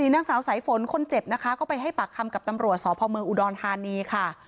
นางสาวสายฝนคนเจ็บนะคะก็ไปให้ปากคำกับตำรวจสพเมืองอุดรธานีค่ะ